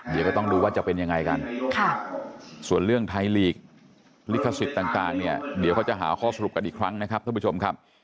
เดี๋ยวก็ต้องดูว่าจะเป็นยังไงกันส่วนเรื่องไทยลีกลิขสิทธิ์ต่างเนี่ยเดี๋ยวเขาจะหาข้อสรุปกันอีกครั้งนะครับท่านผู้ชมครับ